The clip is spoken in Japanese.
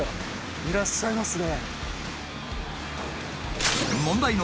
いらっしゃいますね。